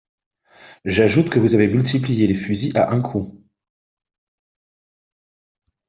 J’ajoute que vous avez multiplié les fusils à un coup.